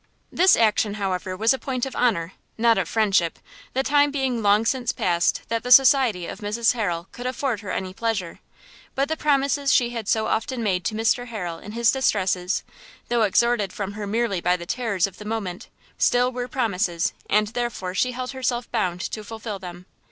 This action, however, was a point of honour, not of friendship, the time being long since past that the society of Mrs Harrel could afford her any pleasure; but the promises she had so often made to Mr Harrel in his distresses, though extorted from her merely by the terrors of the moment, still were promises, and, therefore, she held herself bound to fulfil them.